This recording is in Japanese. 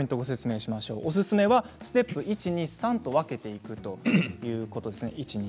ステップ１、２、３と分けていくということです。